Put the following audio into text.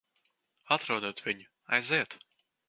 Atrodiet viņu. Aiziet!